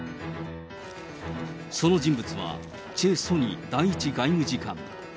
その人物は、チェ・ソニ第１外務次官。